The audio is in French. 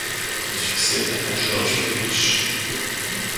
Il succède à Georges Friedrich.